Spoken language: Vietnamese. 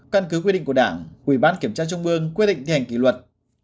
căn cứ quy định của đảng ủy ban kiểm tra trung ương quy định thi hành kỷ luật